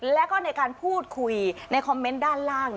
แล้วก็ในการพูดคุยในคอมเมนต์ด้านล่าง